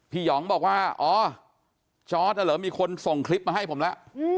หยองบอกว่าอ๋อจอร์ดน่ะเหรอมีคนส่งคลิปมาให้ผมแล้ว